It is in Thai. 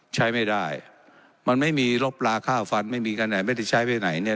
ใช้ไม่ได้มันไม่มีลบลาค่าฟันไม่มีคันไหนไม่ได้ใช้ไปไหนเนี่ย